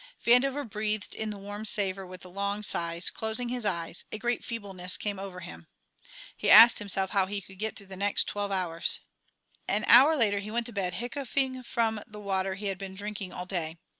Vandover breathed in the warm savour with long sighs, closing his eyes; a great feebleness overcame him. He asked himself how he could get through the next twelve hours. An hour later he went to bed, hiccoughing from the water he had been drinking all day.